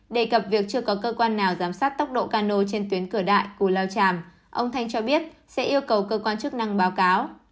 đề cập việc chưa có cơ quan nào giám sát tốc độ cano trên tuyến cửa đại cù lao tràm ông thanh cho biết sẽ yêu cầu cơ quan chức năng báo cáo